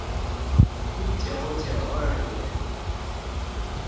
一九九二年